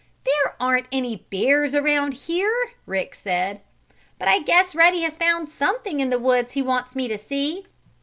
"There aren't any bears around here," Rick said. "But I guess Ruddy has found something in the woods he wants me to see."